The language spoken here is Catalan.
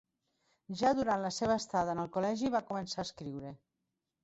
Ja durant la seva estada en el col·legi va començar a escriure.